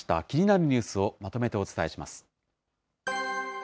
気になるニュースをまとめてお伝えします。